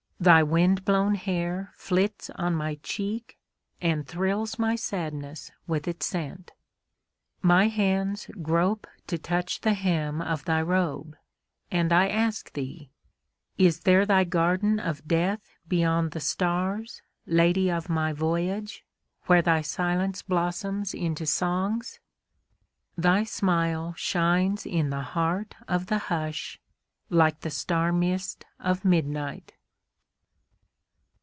Thy wind blown hair flits on my cheek and thrills my sadness with its scent. My hands grope to touch the hem of thy robe, and I ask thee—"Is there thy garden of death beyond the stars, Lady of my Voyage, where thy silence blossoms into songs?" Thy smile shines in the heart of the hush like the star mist of midnight.